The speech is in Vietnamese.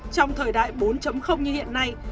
trong thời đại bốn như hiện nay